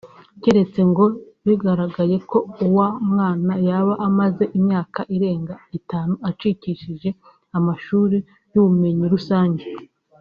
keretse ngo bigaragaye ko uwa mwana yaba amaze imyaka irenga itanu acikishirije amashuri y’ubumenyi rusange